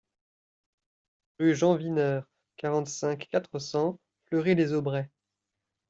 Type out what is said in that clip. Rue Jean Wiener, quarante-cinq, quatre cents Fleury-les-Aubrais